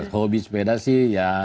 hobi sepeda sih ya